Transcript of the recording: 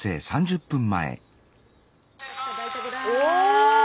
お！